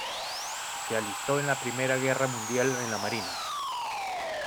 Se alistó en la Primera Guerra Mundial en la marina.